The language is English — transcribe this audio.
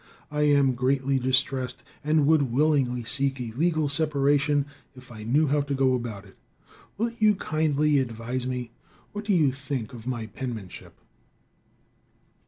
I am greatly distressed, and would willingly seek a legal separation if I knew how to go about it. Will you kindly advise me? What do you think of my penmanship?"